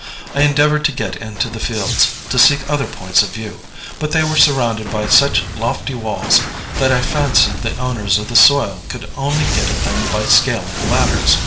I endeavored to get into the fields, to seek other points of view; but they were surrounded by such lofty walls that I fancied the owners of the soil could only get at them by scaling ladders.